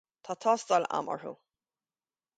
Tá tástáil agam orthu